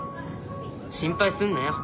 心配すんなよ。